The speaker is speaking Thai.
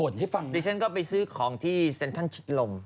ดิฉันก็ไปซื้อของที่เซ็นทันชิดลม